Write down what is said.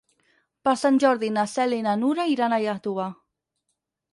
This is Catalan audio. Per Sant Jordi na Cel i na Nura iran a Iàtova.